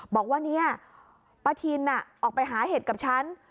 บอกว่าเนี่ยป้าทินออกไปหาเห็ดกับฉัน